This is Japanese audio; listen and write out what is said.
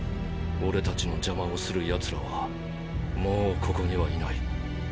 俺たちの邪魔をする奴らはもうここにはいない。